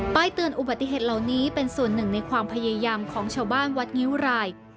เตือนอุบัติเหตุเหล่านี้เป็นส่วนหนึ่งในความพยายามของชาวบ้านวัดงิ้วราย